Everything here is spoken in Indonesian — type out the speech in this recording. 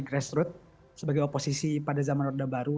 grassroot sebagai oposisi pada zaman orde baru